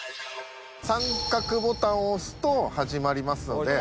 三角ボタンを押すと始まりますので。